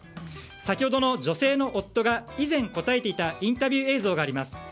先ほどの女性の夫が以前答えていたインタビュー映像があります。